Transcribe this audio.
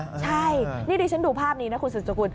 ใช่นี่ดิฉันดูภาพนี้นะคุณสุดสกุล